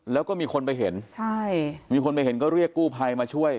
แล้วก็มีคนไปเห็นใช่มีคนไปเห็นก็เรียกกู้ภัยมาช่วย